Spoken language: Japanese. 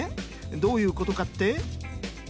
どういうことかって？